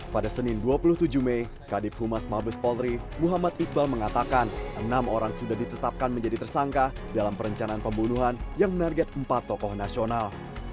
pada senin dua puluh tujuh mei kadif humas mabes polri muhammad iqbal mengatakan enam orang sudah ditetapkan menjadi tersangka dalam perencanaan pembunuhan yang menarget empat tokoh nasional